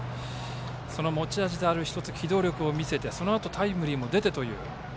その持ち味である機動力を見せてそのあとタイムリーも出てという。